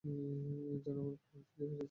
যেন আবার প্রাণ ফিরে পেয়েছে।